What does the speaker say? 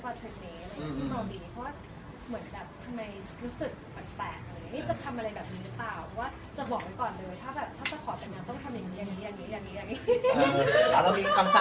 เพราะว่าทำไมรู้สึกแปลกจะทำอะไรแบบนี้หรือเปล่า